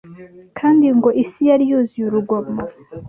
kandi ngo ‘isi yari yuzuye urugomo